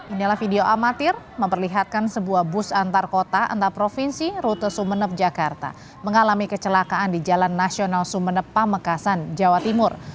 inilah video amatir memperlihatkan sebuah bus antar kota antar provinsi rute sumeneb jakarta mengalami kecelakaan di jalan nasional sumene pamekasan jawa timur